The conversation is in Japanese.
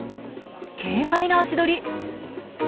軽快な足取り。